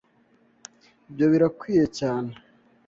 Ibyo birakwiriye cyane.